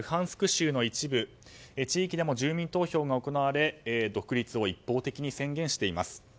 州の一部地域でも住民投票が行われ独立を一方的に宣言しています。